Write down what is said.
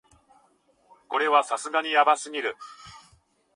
これはさすがにヤバすぎる